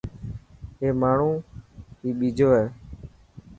اي ماڻهو هي ٻيجو هي.